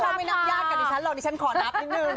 ถ้าไม่นับญาติกับดิฉันหรอกดิฉันขอนับนิดนึง